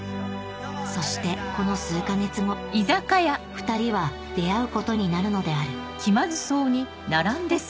そしてこの数か月後ふたりは出会うことになるのであるフフフ。